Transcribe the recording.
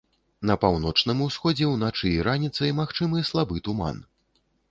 На паўночным усходзе ўначы і раніцай магчымы слабы туман.